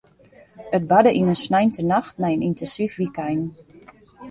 It barde yn in sneintenacht nei in yntinsyf wykein.